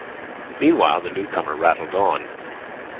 Meanwhile the newcomer rattled on.